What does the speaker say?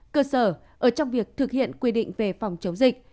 cơ sở ở trong việc thực hiện quy định về phòng chống dịch